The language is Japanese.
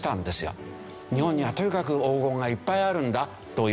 日本にはとにかく黄金がいっぱいあるんだという。